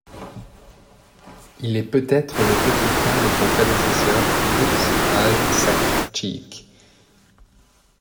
Il est peut-être le petit frère de son prédécesseur B'utz Aj Sak Chiik.